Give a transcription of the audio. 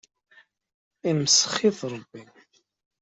Imsex-it Ṛebbi.